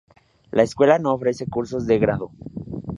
La escuela no ofrece cursos de grado.